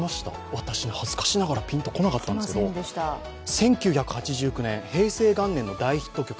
私、恥ずかしながらピンと来なかったんですけど、１９８９年、平成元年の大ヒット曲